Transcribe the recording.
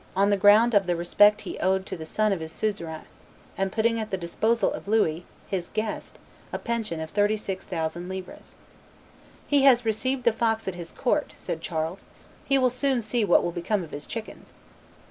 "on the ground of the respect he owed to the son of his suzerain," and putting at the disposal of Louis, "his guest," a pension of thirty six thousand livres. "He has received the fox at his court," said Charles: "he will soon see what will become of his chickens."